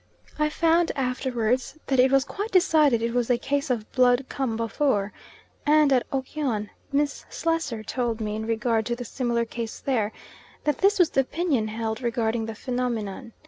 I found afterwards that it was quite decided it was a case of "blood come before," and at Okyon, Miss Slessor told me, in regard to the similar case there, that this was the opinion held regarding the phenomenon.